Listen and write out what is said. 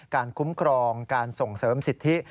คุ้มครองการส่งเสริมสิทธิ